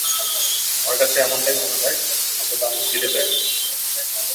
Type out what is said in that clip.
আমার কাছে এমনটাই মনে হয়, অন্তত আমি ফিরে তো এসেছি।